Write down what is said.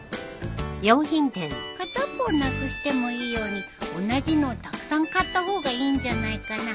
片っぽをなくしてもいいように同じのをたくさん買った方がいいんじゃないかな？